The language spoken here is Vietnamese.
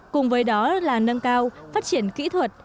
cùng với đó là nâng cao phát triển kỹ thuật